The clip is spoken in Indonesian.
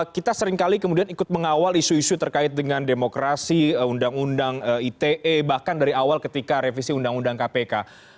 kita seringkali kemudian ikut mengawal isu isu terkait dengan demokrasi undang undang ite bahkan dari awal ketika revisi undang undang kpk